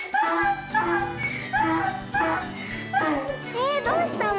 えどうしたの？